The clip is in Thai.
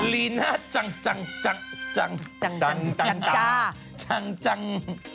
ลีน่าจังจังจังจังจังจังจังจัง